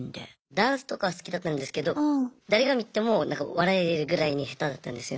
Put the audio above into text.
ダンスとかは好きだったんですけど誰が見ても笑えるぐらいに下手だったんですよ。